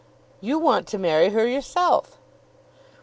"You want to marry her yourself."